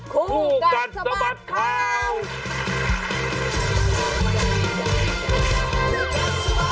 คู่กันสบัดข่าวคู่กันสบัดข่าวคู่กันสบัดข่าว